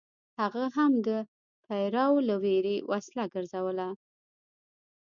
هغه هم د پیرو له ویرې وسله ګرځوله.